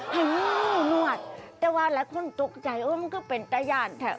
ไหงู้นวดแต่ว่าแล้วคนตกใจเออมันก็เป็นตาย่านไทย